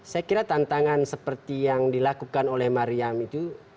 saya kira tantangan seperti yang dilakukan oleh mariam itu